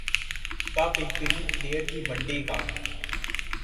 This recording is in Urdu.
کا بہترین پلئیر بھی ون ڈے کا